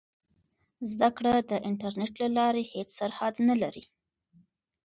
زده کړه د انټرنیټ له لارې هېڅ سرحد نه لري.